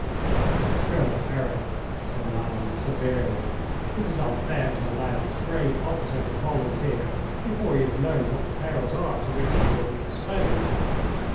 "Colonel Perrin," said Lannes, severely, "it is unfair to allow this brave officer to volunteer before he has learned what the perils are to which he will be exposed."